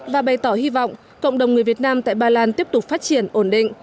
và bày tỏ hy vọng cộng đồng người việt nam tại ba lan tiếp tục phát triển ổn định